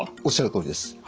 おっしゃるとおりです。